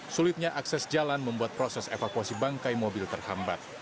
sulitnya akses jalan membuat proses evakuasi bangkai mobil terhambat